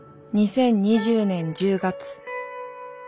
２０２０年１０月。